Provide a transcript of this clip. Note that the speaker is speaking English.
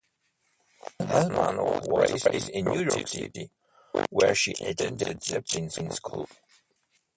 Hellman was raised in New York City, where she attended the Chapin School.